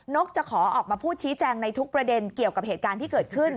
กจะขอออกมาพูดชี้แจงในทุกประเด็นเกี่ยวกับเหตุการณ์ที่เกิดขึ้น